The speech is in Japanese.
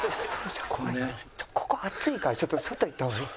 ここ暑いからちょっと外行った方がいい。